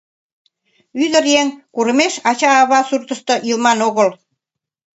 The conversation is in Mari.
— Ӱдыр еҥ курымеш ача-ава суртышто илыман огыл...